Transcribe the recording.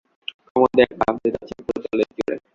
কমোডে একটা আউটলেট আছে, পুরো টয়লেট জুড়ে।